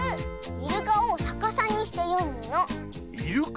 イルカをさかさにしてよむ。